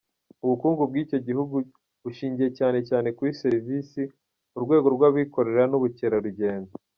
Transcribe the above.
Ubukungu bw’icyo gihugu bushingiye cyane cyane kuri serivisi, urwego rw’abikorera n’ubukerarugendo.